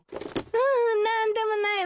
ううん何でもないわ。